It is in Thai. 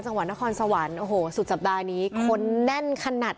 จังหวัดนครสวรรค์โอ้โหสุดสัปดาห์นี้คนแน่นขนาด